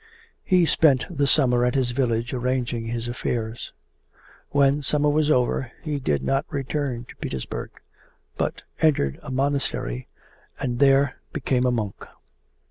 He spent the summer at his village arranging his affairs. When summer was over he did not return to Petersburg, but entered a monastery and there became a monk.